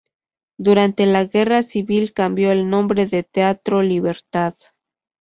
Durante la Guerra Civil cambió el nombre por Teatro Libertad.